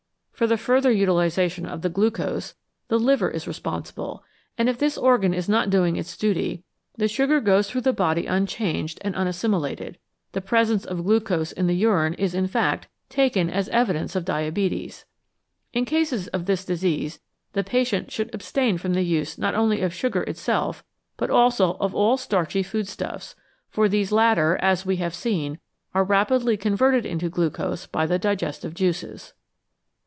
For the further utilisation of the glucose the liver is responsible, and if this organ is not doing its duty, the sugar goes through the body unchanged and unassimi lated ; the presence of glucose in the urine is, in fact, taken as evidence of diabetes. In cases of this disease the patient should abstain from the use not only of sugar itself, but also of all starchy food stuffs, for these latter, as we have seen, are rapidly converted into glucose by the digestive juices.